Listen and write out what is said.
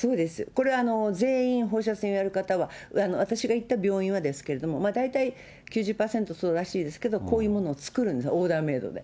これは全員、放射線をやる方は、私が行った病院はですけれども、大体９０％ぐらいそうらしいですけど、こういうものを作るんです、オーダーメードで。